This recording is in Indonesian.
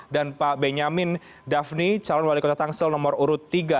dan pak benyamin daphne calon wali kota tangsel nomor urut tiga